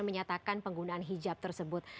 menyatakan penggunaan hijab tersebut